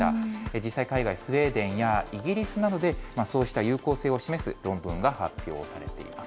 実際、海外、スウェーデンやイギリスなどで、そうした有効性を示す論文が発表されています。